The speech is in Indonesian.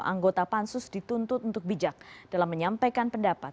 anggota pansus dituntut untuk bijak dalam menyampaikan pendapat